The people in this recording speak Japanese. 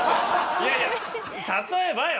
いやいや例えばよ。